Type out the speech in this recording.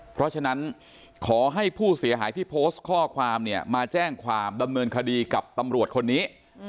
เพราะฉะนั้นขอให้ผู้เสียหายที่โพสต์ข้อความเนี่ยมาแจ้งความดำเนินคดีกับตำรวจคนนี้